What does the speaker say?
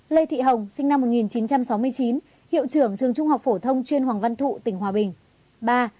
ba lê thị hồng sinh năm một nghìn chín trăm sáu mươi chín hiệu trưởng trường trung học phổ thông chuyên hoàng văn thụ tỉnh hòa bình